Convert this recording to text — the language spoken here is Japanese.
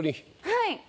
はい。